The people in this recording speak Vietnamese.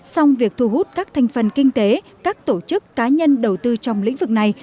song việc thu hút các thành phần kinh tế các tổ chức cá nhân đầu tư trong lĩnh vực này